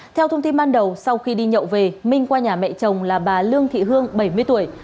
theo thông tin ban đầu sau khi đi nhậu về minh qua nhà mẹ chồng là bà lương thị hương bảy mươi tuổi